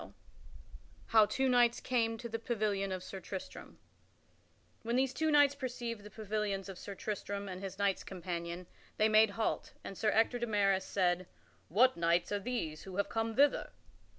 [Sidenote: How two knights came to the pavilion of Sir Tristram] When these two knights perceived the pavilions of Sir Tristram and his knights companion, they made halt, and Sir Ector de Maris said, "What knights are these who have come hither?"